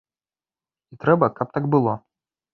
І трэба, каб так было.